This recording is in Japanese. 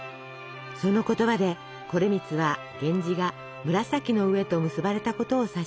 その言葉で惟光は源氏が紫の上と結ばれたことを察します。